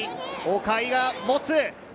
岡井が持つ。